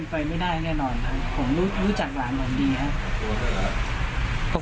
ผมรู้จักหลานเหมือนดีครับ